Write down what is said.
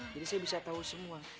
jadi saya bisa tahu semua